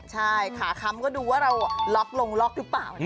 ใช่ขาค้ำก็ดูว่าเราล็อกลงล็อกหรือเปล่า